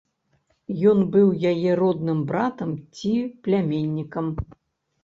Ён быў яе родным братам ці пляменнікам.